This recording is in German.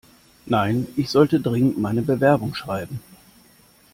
Nein, ich sollte dringend meine Bewerbung schreiben.